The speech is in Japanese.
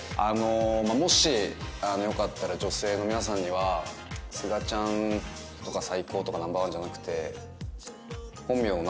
もしよかったら女性の皆さんには「すがちゃん」とか「最高」とか「Ｎｏ．１」じゃなくて。